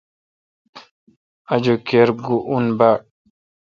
آجوک کِر اوں باڑ۔